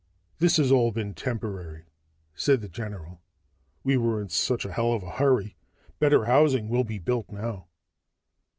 "This has all been temporary," said the general. "We were in such a hell of a hurry. Better housing will be built now."